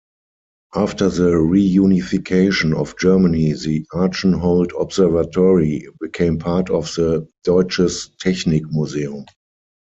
After the reunification of Germany the Archenhold Observatory became part of the Deutsches Technikmuseum.